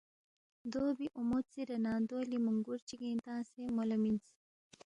دو بی اومو ژِیرے نہ دو لِی مُونگُور چِگِنگ تنگسے مو لہ مِنس